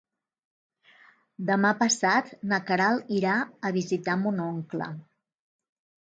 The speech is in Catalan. Demà passat na Queralt irà a visitar mon oncle.